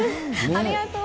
ありがとう。